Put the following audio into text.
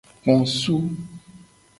Ekposu.